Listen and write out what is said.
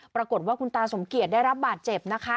ปรากฏว่าคุณตาสมเกียจได้รับบาดเจ็บนะคะ